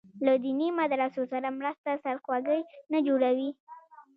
له دیني مدرسو سره مرسته سرخوږی نه جوړوي.